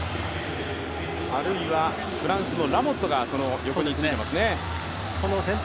あるいはフランスのラモットが横につけています。